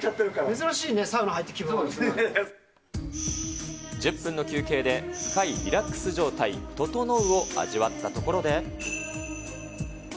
珍しいね、１０分の休憩で、深いリラックス状態、ととのうを味わったところで。